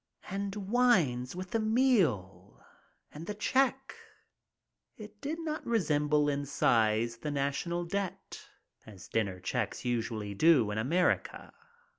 And wines with the meal ! And the check ; it did not resem ble in size the national debt, as dinner checks usually do in America.